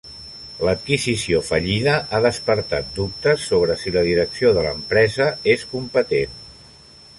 L'adquisició fallida ha despertat dubtes sobre si la direcció de l'empresa és competent.